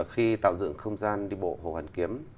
khi tạo dựng không gian đi bộ hồ hoàn kiếm